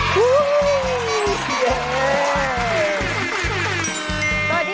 ภูเวอร์คุณสุดม